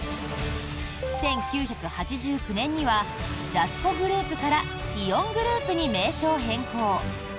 １９８９年にはジャスコグループからイオングループに名称変更。